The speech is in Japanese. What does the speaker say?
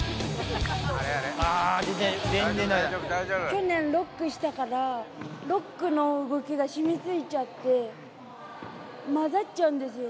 去年、ロックしたから、ロックの動きがしみついちゃって、混ざっちゃうんですよ。